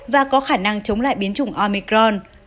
và có khả năng chống lại biến chủng omicron